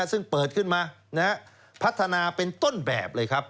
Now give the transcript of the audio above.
ซึ่งเปิดขึ้นมาพัฒนาเป็นต้นแบบเลยครับ